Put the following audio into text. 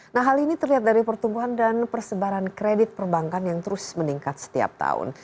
nah hal ini terlihat dari pertumbuhan dan persebaran kredit perbankan yang terus meningkat setiap tahun